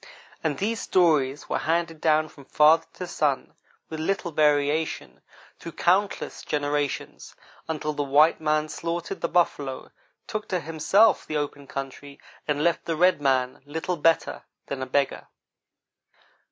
And these stories were handed down from father to son, with little variation, through countless generations, until the white man slaughtered the buffalo, took to himself the open country, and left the red man little better than a beggar.